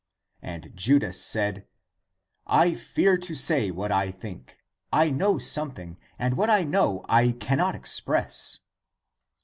And Judas said, " I fear to say what I think. I know something, and what I know I can not express."